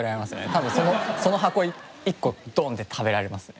多分その箱一個ドンッて食べられますね。